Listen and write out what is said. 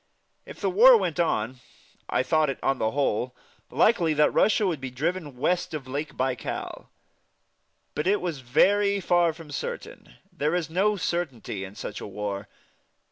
If the war went on, I thought it, on the whole, likely that Russia would be driven west of Lake Baikal. But it was very far from certain. There is no certainty in such a war.